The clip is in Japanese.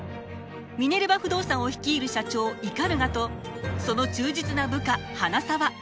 ミネルヴァ不動産を率いる社長鵤とその忠実な部下花澤。